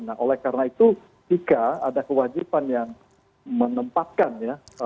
nah oleh karena itu jika ada kewajiban yang menempatkan ya